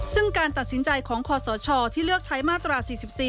ซึ่งการตัดสินใจของคอสชที่เลือกใช้มาตรา๔๔